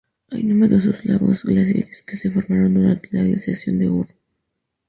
Hay numerosos lagos glaciares que se formaron durante la glaciación de Würm.